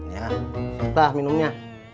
ya dah minumnya